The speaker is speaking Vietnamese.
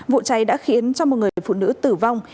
vụ cháy đã khiến cho một người phụ nữ tử vong